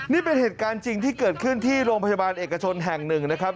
นี่เป็นเหตุการณ์จริงที่เกิดขึ้นที่โรงพยาบาลเอกชนแห่งหนึ่งนะครับ